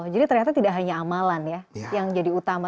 jadi ternyata tidak hanya amalan yang jadi utama